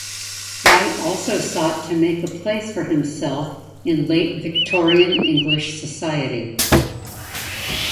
Wright also sought to make a place for himself in late Victorian English Society.